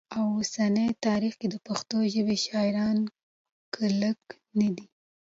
او اوسني تاریخ کي د پښتو ژبې شاعران که لږ نه دي